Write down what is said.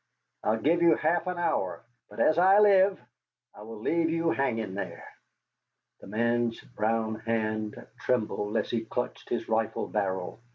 "I will give you half an hour, but as I live, I will leave you hanging there." The man's brown hand trembled as he clutched his rifle barrel.